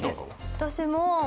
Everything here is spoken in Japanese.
私も。